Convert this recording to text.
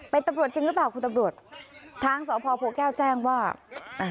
เป็นตำรวจจริงหรือเปล่าคุณตำรวจทางสพโพแก้วแจ้งว่าอ่า